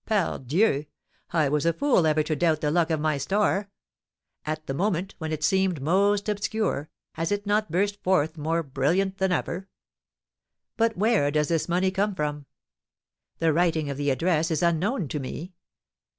Pardieu! I was a fool ever to doubt the luck of my star; at the moment when it seemed most obscure, has it not burst forth more brilliant than ever? But where does this money come from? The writing of the address is unknown to me.